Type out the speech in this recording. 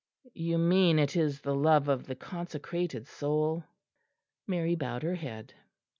"You mean it is the love of the consecrated soul?" Mary bowed her head.